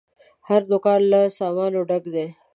هر دوکان له سامانونو ډک دی.